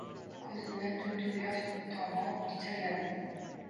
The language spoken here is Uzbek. Ko`zimdan duv-duv yosh tomib, pichirladim